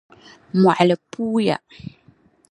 Mɔɣili puuya.